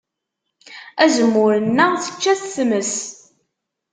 Azemmur-nneɣ tečča-t tmes.